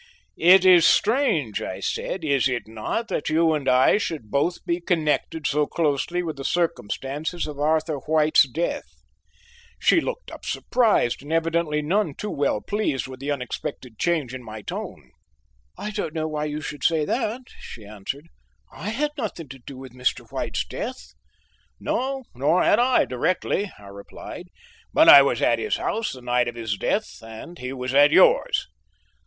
"It is strange," I said, "is it not, that you and I should both be connected so closely with the circumstances of Arthur White's death?" She looked up surprised and evidently none too well pleased with the unexpected change in my tone. "I don't know why you should say that," she answered, "I had nothing to do with Mr. White's death." "No, nor had I directly," I replied; "but I was at his house the night of his death and he was at yours."